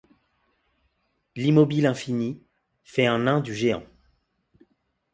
L’immobile infini, fait un nain du géant.